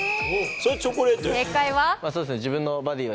そりゃチョコレートよ。